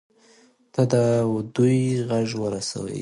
ته د دوى غږ ورسوي.